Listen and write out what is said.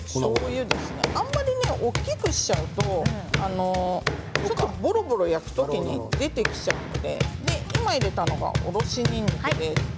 あまり大きくしちゃうとぼろぼろ焼く時に出てきちゃうので今入れたのがおろしにんにくで。